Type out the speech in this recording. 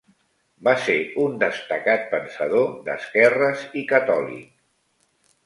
Va ser un destacat pensador d'esquerres i catòlic.